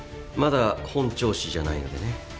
まだ本調子じゃないのでね。